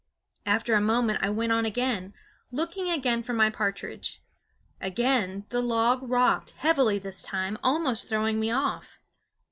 After a moment I went on again, looking again for my partridge. Again the log rocked, heavily this time, almost throwing me off.